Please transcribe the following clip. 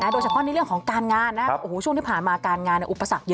โดยเฉพาะในเรื่องของการงานช่วงที่ผ่านมาการงานอุปสรรคเยอะ